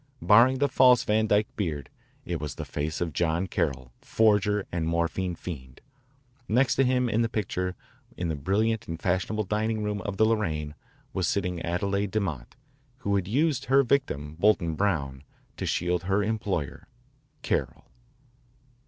Barring the false Van Dyke beard, it was the face of John Carroll, forger and morphine fiend. Next to him in the picture in the brilliant and fashionable dining room of the Lorraine was sitting Adele DeMott who had used her victim, Bolton Brown, to shield her employer, Carroll.